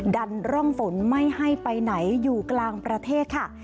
ดันร่องฝนไม่ให้ไปไหนอยู่กลางประเทศค่ะ